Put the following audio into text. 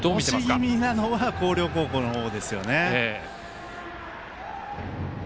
押し気味なのは広陵高校の方ですよね。